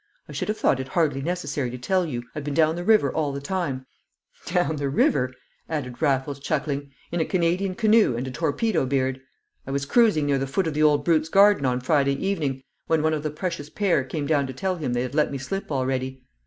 I should have thought it hardly necessary to tell you I've been down the river all the time; down the river," added Raffles, chuckling, "in a Canadian canoe and a torpedo beard! I was cruising near the foot of the old brute's garden on Friday evening when one of the precious pair came down to tell him they had let me slip already.